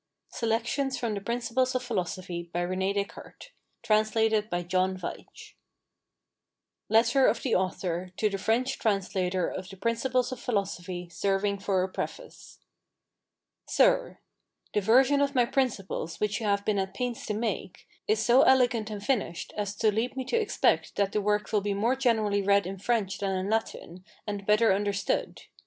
SELECTIONS FROM THE PRINCIPLES OF PHILOSOPHY OF DESCARTES TRANSLATED FROM THE LATIN AND COLLATED WITH THE FRENCH LETTER OF THE AUTHOR TO THE FRENCH TRANSLATOR OF THE PRINCIPLES OF PHILOSOPHY SERVING FOR A PREFACE. Sir, The version of my principles which you have been at pains to make, is so elegant and finished as to lead me to expect that the work will be more generally read in French than in Latin, and better understood.